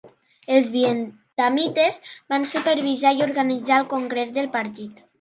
Els vietnamites van supervisar i organitzar el congrés del partit.